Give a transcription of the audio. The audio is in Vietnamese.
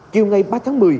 chiều ngày ba tháng một mươi